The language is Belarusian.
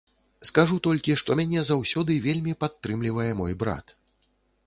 Скажу толькі, што мяне заўсёды вельмі падтрымлівае мой брат.